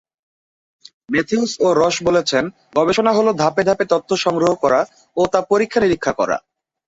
Matthews ও Ross বলছেন, গবেষণা হলো ধাপে ধাপে তথ্য সংগ্রহ করা ও তা পরীক্ষা-নিরীক্ষা করা।